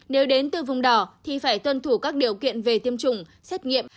nếu đến từ vùng đỏ thì phải tuân thủ các điều kiện về tiêm chủng xét nghiệm